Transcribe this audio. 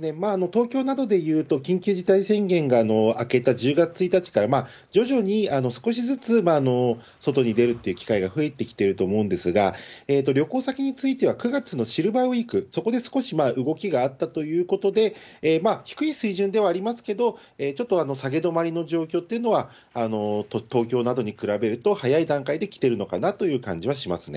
東京などでいうと、緊急事態宣言が明けた１０月１日から、徐々に少しずつ外に出るっていう機会が増えてきていると思うんですが、旅行先については、９月のシルバーウィーク、そこで少し動きがあったということで、低い水準ではありますけど、ちょっと下げ止まりの状況というのは、東京などに比べると早い段階で来てるのかなという感じはしますね。